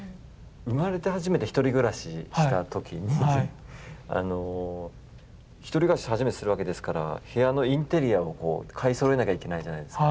生まれて初めて１人暮らしした時に１人暮らし初めてするわけですから部屋のインテリアを買いそろえなきゃいけないじゃないですか。